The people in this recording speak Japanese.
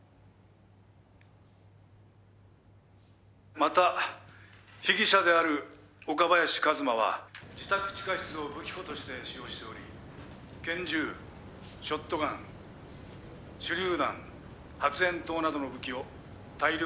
「また被疑者である岡林和馬は自宅地下室を武器庫として使用しており拳銃ショットガン手りゅう弾発煙筒などの武器を大量に隠匿しておりました」